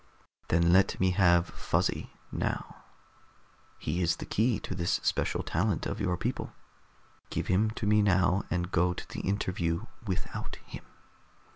"Then let me have Fuzzy now. He is the key to this special talent of your people. Give him to me now, and go to the interview without him."